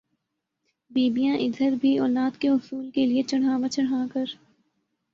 بیبیاں ادھر بھی اولاد کے حصول کےلئے چڑھاوا چڑھا کر